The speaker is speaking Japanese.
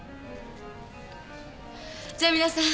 じゃあ皆さん。